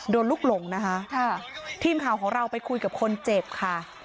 ลูกหลงนะคะค่ะทีมข่าวของเราไปคุยกับคนเจ็บค่ะ